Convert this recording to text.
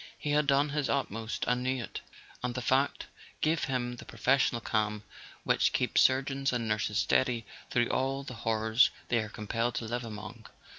He had done his utmost, and knew it; and the fact gave him the pro¬ fessional calm which keeps surgeons and nurses steady through all the horrors they are compelled to live among.